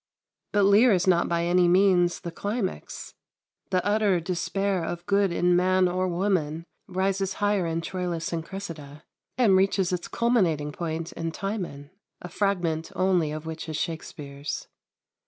But "Lear" is not by any means the climax. The utter despair of good in man or woman rises higher in "Troilus and Cressida," and reaches its culminating point in "Timon," a fragment only of which is Shakspere's.